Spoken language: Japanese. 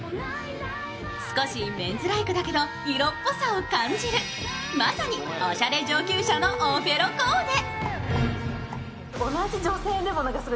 少しメンズライクだけど、色っぽさを感じるまさに、おしゃれ上級者のおフェロコーデ。